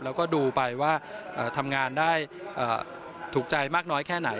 แล้วก็ดูไปว่าทำงานได้ถูกใจมากน้อยแค่ไหน